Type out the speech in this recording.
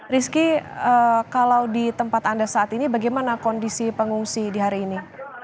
rizky kalau di tempat anda saat ini bagaimana kondisi pengungsi di hari ini